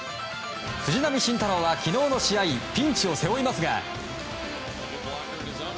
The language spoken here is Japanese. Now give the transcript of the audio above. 藤浪晋太郎は昨日の試合ピンチを背負いますが。